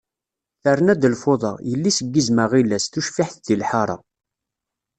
Terna-d lfuḍa, yelli-s n yizem aɣilas, tucbiḥt deg lḥara.